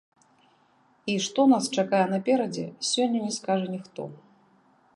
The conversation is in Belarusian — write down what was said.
І што нас чакае наперадзе, сёння не скажа ніхто.